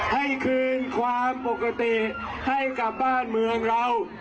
ให้คืนความปกติให้กับบ้านเมืองเรา